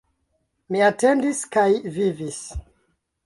Mi atendis kaj vivis.